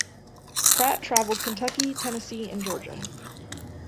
Pratt traveled Kentucky, Tennessee and Georgia.